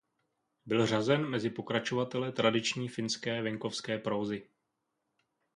Byl řazen mezi pokračovatele tradiční finské venkovské prózy.